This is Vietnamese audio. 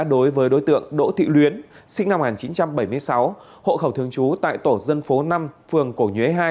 đối với đối tượng đỗ thị luyến sinh năm một nghìn chín trăm bảy mươi sáu hộ khẩu thường trú tại tổ dân phố năm phường cổ nhuế hai